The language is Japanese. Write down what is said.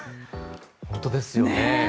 本当ですよ。